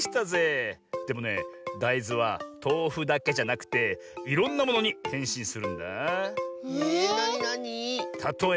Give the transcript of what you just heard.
でもねだいずはとうふだけじゃなくていろんなものにへんしんするんだ。え？